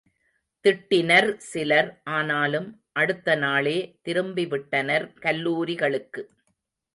திட்டினர் சிலர் ஆனாலும் அடுத்த நாளே திரும்பிவிட்டனர் கல்லூரிகளுக்கு.